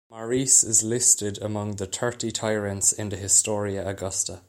Marius is listed among the Thirty Tyrants in the Historia Augusta.